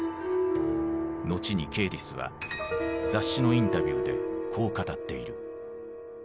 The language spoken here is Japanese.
後にケーディスは雑誌のインタビューでこう語っている。